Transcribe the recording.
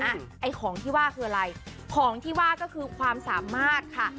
ไอ้ของที่ว่าคืออะไรของที่ว่าก็คือความสามารถค่ะ